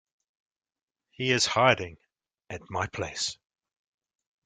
He is hiding at my place.